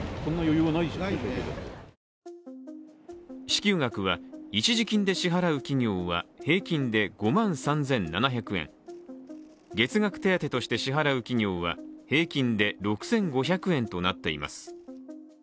支給額は、一時金で支払う企業は平均で５万３７００円、月額手当として支払う企業は平均で６５００円となっています。